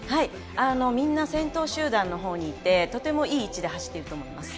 みんな先頭集団のほうにいて、とてもいい位置で走っていると思います。